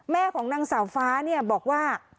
ของนางสาวฟ้าเนี่ยบอกว่า